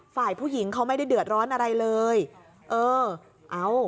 ฝ่ายผู้หญิงเขาไม่ได้เดือดร้อนอะไรเลยเออเอา